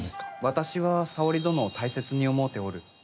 私は沙織殿を大切に思うておる。